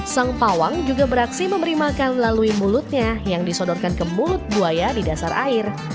sang pawang juga beraksi memberi makan melalui mulutnya yang disodorkan ke mulut buaya di dasar air